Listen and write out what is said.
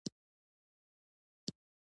دا د پښتنو هویت دی.